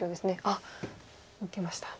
あっ受けました。